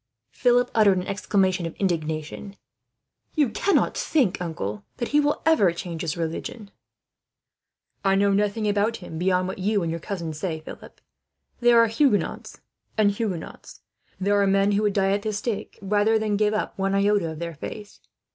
Philip uttered an exclamation of indignation. "You cannot think, uncle, that he will ever change his religion?" "I know nothing about him, beyond what you and your cousin say, Philip. There are Huguenots, and Huguenots. There are men who would die at the stake, rather than give up one iota of their faith.